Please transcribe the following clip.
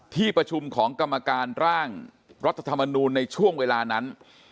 ที่ประชุมของกรรมการร่างรัฐธรรมนูลในช่วงเวลานั้น